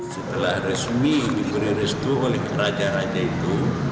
setelah resmi diberi restu oleh raja raja itu